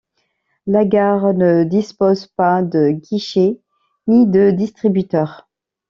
La gare ne dispose pas de guichet, ni de distributeur.